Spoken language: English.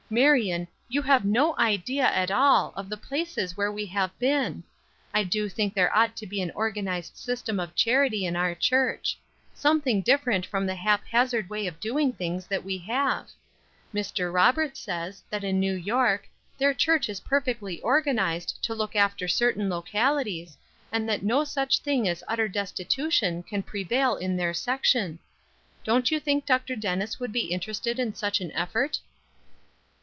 Marion you have no idea at all of the places where we have been! I do think there ought to be an organized system of charity in our church; something different from the hap hazard way of doing things that we have. Mr. Roberts says, that in New York, their church is perfectly organized to look after certain localities, and that no such thing as utter destitution can prevail in their section. Don't you think Dr. Dennis would be interested in such an effort."